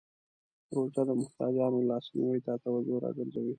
روژه د محتاجانو لاسنیوی ته توجه راګرځوي.